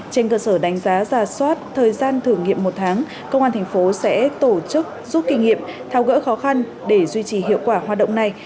trên cơ sở đánh giá giả soát thời gian thử nghiệm một tháng công an thành phố sẽ tổ chức rút kinh nghiệm thao gỡ khó khăn để duy trì hiệu quả hoạt động này